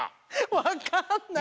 わかんない。